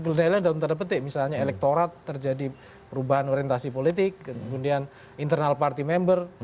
full dayland dalam tanda petik misalnya elektorat terjadi perubahan orientasi politik kemudian internal party member